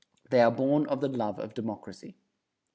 They are born of the love of Democracy.